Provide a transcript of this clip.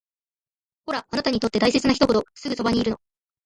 ほら、あなたにとって大事な人ほどすぐそばにいるの